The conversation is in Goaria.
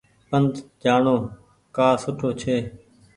پند جآڻو ڪآ سُٺو ڇي۔